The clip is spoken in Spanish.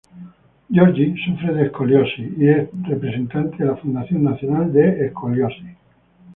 Georgie sufre de escoliosis y es representante de la Fundación Nacional de Escoliosis.